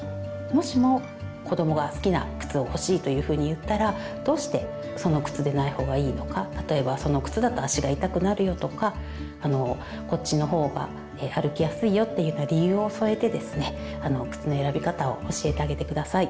もしも子どもが好きな靴を欲しいというふうに言ったらどうしてその靴でない方がいいのか例えばその靴だと足が痛くなるよとかこっちの方が歩きやすいよっていうような理由を添えてですね靴の選び方を教えてあげて下さい。